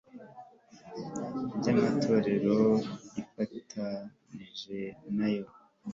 by Amatorero ifatanije nayo